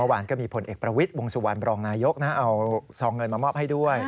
อาจารย์ก็มีผลเอกประวิทธิ์วงศวรรณบรองนายกเอาส่องเงินมามอบให้ด้วย